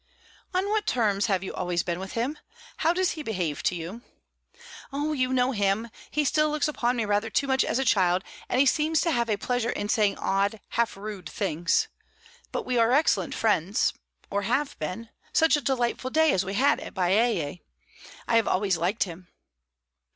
"On what terms have you always been with him? How does he behave to you?" "Oh, you know him. He still looks upon me rather too much as a child, and he seems to have a pleasure in saying odd, half rude things; but we are excellent friends or have been. Such a delightful day as we had at Baiae! I have always liked him."